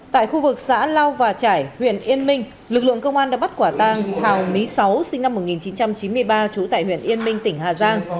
tại khu vực xã lao và trải huyện yên minh lực lượng công an đã bắt quả tang hào mý sáu sinh năm một nghìn chín trăm chín mươi ba trú tại huyện yên minh tỉnh hà giang